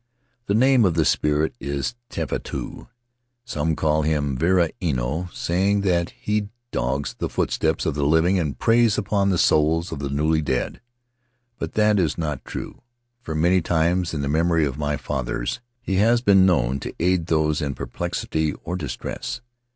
The name of this spirit is Tefatu; some call him varua ino, saying that he Faery Lands of the South Seas dogs the footsteps of the living and preys upon the souls of the newly dead, but that is not true, for many times in the memory of my fathers he has been known to aid those in perplexity or distress.